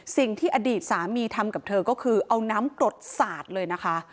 สิ่งที่อดีตสามีทำกับเธอก็คือเอาน้ำกรดสาดเลยนะคะ